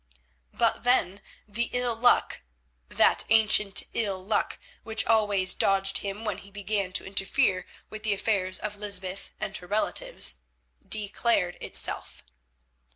But then the ill luck—that ancient ill luck which always dogged him when he began to interfere with the affairs of Lysbeth and her relatives—declared itself.